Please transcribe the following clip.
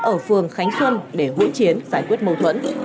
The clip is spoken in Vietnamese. ở phường khánh xuân để hỗn chiến giải quyết mâu thuẫn